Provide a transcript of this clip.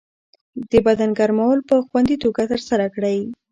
د بدن ګرمول په خوندي توګه ترسره کړئ.